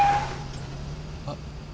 あっ。